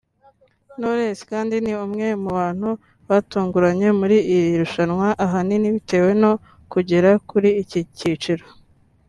Knowless kandi ni umwe mu bantu batunguranye muri iri rushanwa ahanini bitewe no kugera kuri iki kiciro